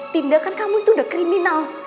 tindakan kamu itu udah kriminal